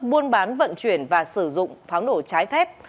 buôn bán vận chuyển và sử dụng pháo nổ trái phép